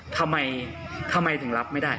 ทำไมทำไมถึงรับไม่ได้